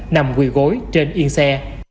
nằm quỳ gối trên yên xe